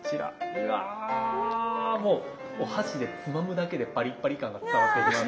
うわもうお箸でつまむだけでパリパリ感が伝わってきます。